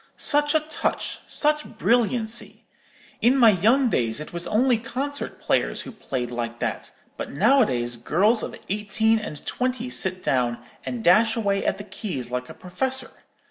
Such a touch, such brilliancy! In my young days it was only concert players who played like that; but nowadays girls of eighteen and twenty sit down, and dash away at the keys like a professor.